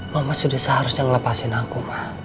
mama sudah seharusnya ngelepasin aku